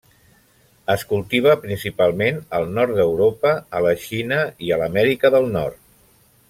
Es cultiva principalment al nord d'Europa, a la Xina i a l'Amèrica del Nord.